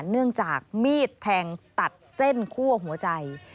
เนื่องจากมีดแทงตัดเส้นคั่วหัวใจ